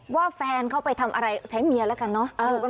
แฟนเขาไปทำอะไรใช้เมียแล้วกันเนอะ